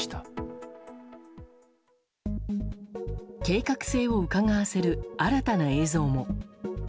計画性をうかがわせる新たな映像も。